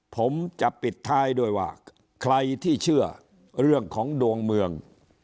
ผมจะปิดท้ายด้วยว่าใครที่เชื่อเรื่องของดวงเมือง